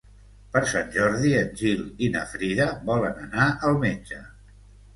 Per Sant Jordi en Gil i na Frida volen anar al metge.